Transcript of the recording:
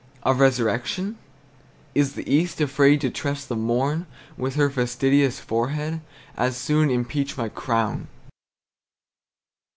Of resurrection? Is the east Afraid to trust the morn With her fastidious forehead? As soon impeach my crown!